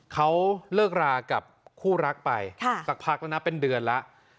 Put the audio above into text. เขาเลิกรากับคู่รักไปสักพักแล้วนะเป็นเดือนแล้ว